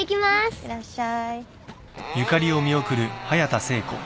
いってらっしゃい。